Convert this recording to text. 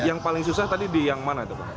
yang paling susah tadi di yang mana itu pak